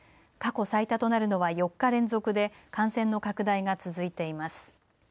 過去最多となるのは４日連続で感染の拡大が続いています。